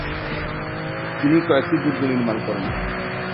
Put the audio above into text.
তিনি কয়েকটি দুর্গ নির্মাণ করেন।